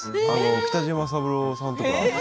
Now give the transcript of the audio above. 北島三郎さんとか。